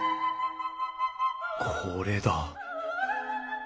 これだ。